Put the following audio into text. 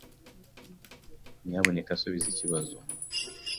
Nyamuneka subiza ikibazo.